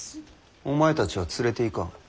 お前たちは連れていかん。